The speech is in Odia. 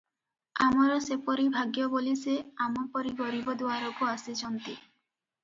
ଆମର ସେପରି ଭାଗ୍ୟବୋଲି ସେ ଆମପରି ଗରିବ ଦୁଆରକୁ ଆସିଚନ୍ତି ।